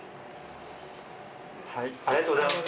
ありがとうございます。